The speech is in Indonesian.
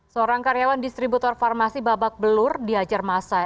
seorang karyawan distributor farmasi babak belur dihajar masa